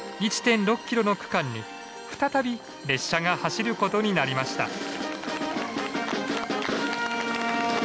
１．６キロの区間に再び列車が走ることになりました。